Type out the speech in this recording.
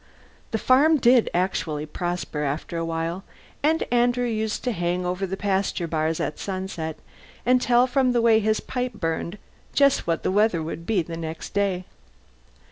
The farm did actually prosper, after a while; and Andrew used to hang over the pasture bars at sunset, and tell, from the way his pipe burned, just what the weather would be the next day.